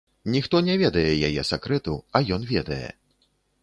Ніхто не ведае яе сакрэту, а ён ведае.